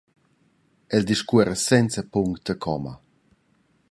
Ella discuora senza punct e comma.